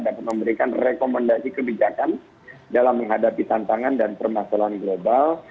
dapat memberikan rekomendasi kebijakan dalam menghadapi tantangan dan permasalahan global